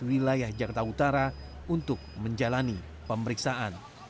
wilayah jakarta utara untuk menjalani pemeriksaan